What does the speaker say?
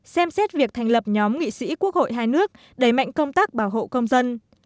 xem xét việc thành lập nhóm nghị sĩ quốc hội hai nước đẩy mạnh công tác bảo hộ công dân